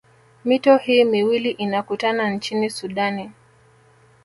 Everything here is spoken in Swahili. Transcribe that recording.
Mito hii miwili inakutana nchini sudani